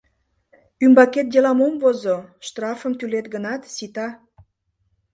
Ӱмбакет делам ом возо, штрафым тӱлет гынат, сита.